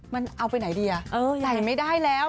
มันเอาไปไหนดีอ่ะใส่ไม่ได้แล้ว